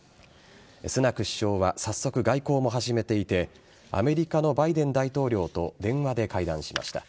スナク首相は早速、外交も始めていてアメリカのバイデン大統領と電話で会談しました。